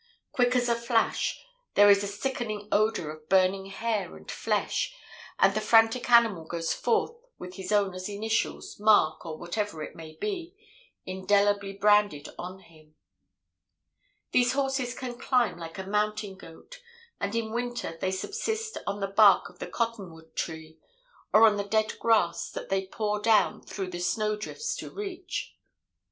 Quick as a flash, there is a sickening odor of burning hair and flesh, and the frantic animal goes forth with his owner's initials, mark or whatever it may be, indelibly branded on him. "These horses can climb like a mountain goat, and in winter they subsist on the bark of the cottonwood tree, or on the dead grass that they paw down through the snowdrifts to reach.